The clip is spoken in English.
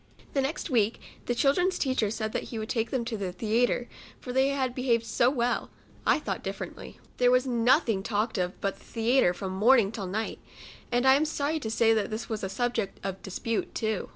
The next week the children's teacher said that he would take them to the " Theatre," for they had behaved so well ! I thought differently. There was nothing talked of but the "Theatre" from morning till night; and I am sorry to say that this was a subject of dispute too.